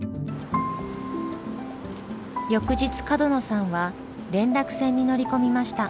翌日角野さんは連絡船に乗り込みました。